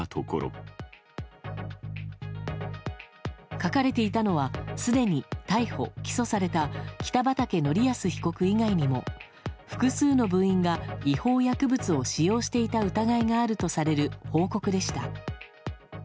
書かれていたのはすでに逮捕・起訴された北畠成文被告以外にも複数の部員が違法薬物を使用していた疑いがあるとされる報告でした。